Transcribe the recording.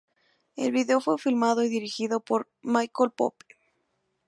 El video fue filmado y dirigido por Michael Pope.